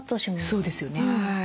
そうですよね。